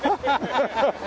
ハハハハ！